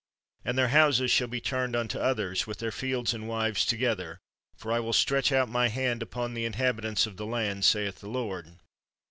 And their houses shall be turned unto others, with their fields and wives together ; for I will stretch out My hand upon the inhabi tants of the land, saith the Lord.